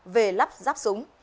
về lắp ráp súng